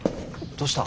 どうした？